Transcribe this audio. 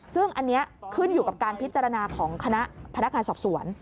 ซึ่งอันนี้ขึ้นอยู่กับการพิจารณาของคณะพนักงานสอบสวน